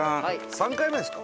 ３回目ですか？